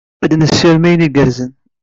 Ad nessirem ayen igerrzen.